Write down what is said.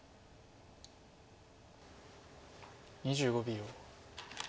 ２５秒。